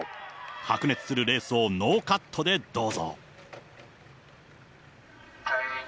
白熱するレースをノーカットでどうぞ。